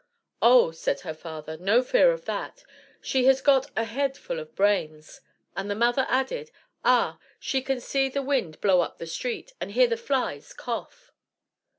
"Oh," said her father, "no fear of that! she has got a head full of brains;" and the mother added, "Ah, she can see the wind blow up the street, and hear the flies cough!"